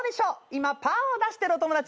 今パーを出してるお友達。